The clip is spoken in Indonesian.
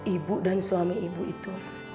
ibu dan suami ibu itu